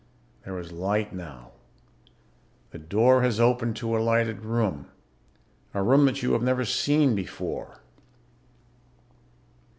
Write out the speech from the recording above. There is light now. The door has opened to a lighted room ... a room that you have never seen before.